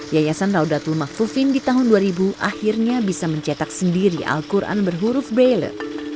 yayasan raudatul mahfufin di tahun dua ribu akhirnya bisa mencetak sendiri al quran berhuruf braille